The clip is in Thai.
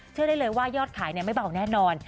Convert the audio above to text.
เชื่อได้เลยว่ายอดขายไม่เบาแน่นอน